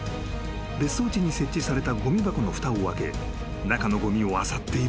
［別荘地に設置されたごみ箱のふたを開け中のごみをあさっている熊］